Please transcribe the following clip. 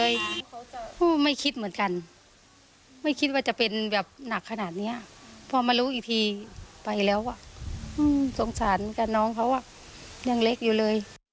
อย่างนี้ก็ไม่ค่อยเชื่อเท่าไรแต่ว่าพอรู้ความจริงก็เริ่มเชื่อ